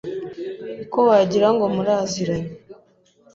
Ko wagira ngo muraziranye